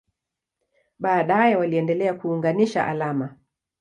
Baadaye waliendelea kuunganisha alama.